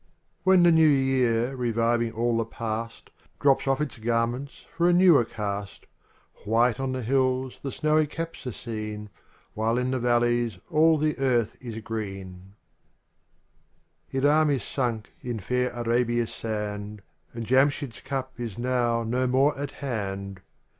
IV When the New Year, reviewing all the past, Drops off its garments for a newer cast, White on the hills the snowy caps are seen. While in the valleys all the earth is green, v Ir dm is sunk in fair Arabia's sand, And Jamshyd's cup is now no more at hand.